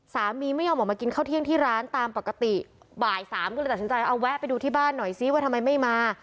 สามีไม่ยอมออกมากินข้าวเที่ยงที่ร้านตามปกติบ่ายสามก็เลยตัดสินใจเอาแวะไปดูที่บ้านหน่อยซิว่าทำไมไม่มา